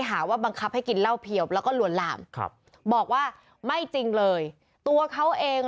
หาว่าบังคับให้กินเหล้าเพียบแล้วก็ลวนลามครับบอกว่าไม่จริงเลยตัวเขาเอง